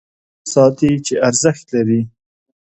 هغه څه ساتي چې ارزښت لري.